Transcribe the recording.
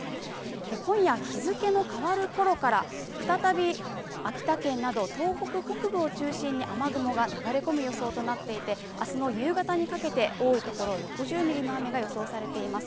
今夜日付の変わるころから再び秋田県など東北北部を中心に雨雲が流れ込む予想となっていて明日の夕方にかけて多いところ６０ミリの雨が予想されています。